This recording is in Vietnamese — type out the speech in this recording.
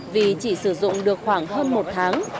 vì chỉ sử dụng được khoảng hơn một tháng